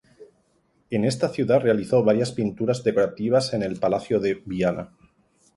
En esta ciudad realizó varias pinturas decorativas en el Palacio de Viana.